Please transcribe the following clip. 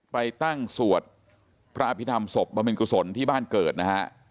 ไปตั้งสวดพระอภิษฐรรมศพบำเน็กกุศลที่บ้านเกิดนะฮะ